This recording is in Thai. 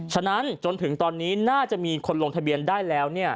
ฉะนั้นจนถึงตอนนี้น่าจะมีคนลงทะเบียนได้แล้ว